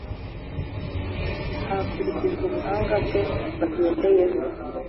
hakurikijwe ubuhanga bwe bagendeyeho